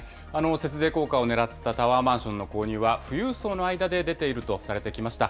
節税効果をねらったタワーマンションの購入は、富裕層の間で出ているとされてきました。